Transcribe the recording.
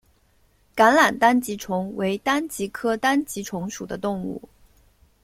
橄榄单极虫为单极科单极虫属的动物。